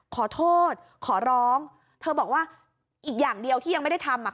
ขอโทษขอร้องเธอบอกว่าอีกอย่างเดียวที่ยังไม่ได้ทำอ่ะ